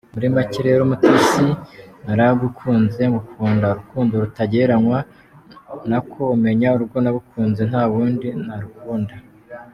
Muri make rero Umutesi naragukunze ngukunda urukundo rutagereranywa nako umenya urwo nagukunze ntawundi narukunda .